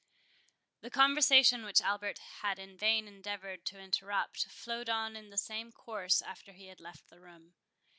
The conversation which Albert had in vain endeavoured to interrupt, flowed on in the same course after he had left the room.